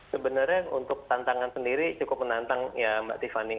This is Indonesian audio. sebenarnya untuk tantangan sendiri cukup menantang ya mbak tiffany